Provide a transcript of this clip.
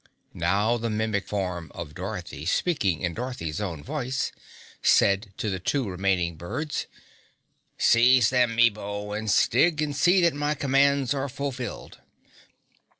Now the Mimic form of Dorothy, speaking in Dorothy's own voice, said to the two remaining birds, "Seize them, Ebo and Styg, and see that my commands are fulfilled!"